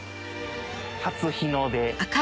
初日の出。